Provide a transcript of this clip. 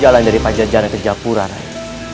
jalan dari panjang jalan ke japura rai